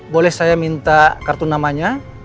boleh saya minta kartu namanya